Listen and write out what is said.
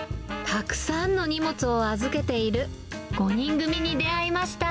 たくさんの荷物を預けている５人組に出会いました。